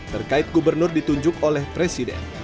terkait gubernur ditunjuk oleh presiden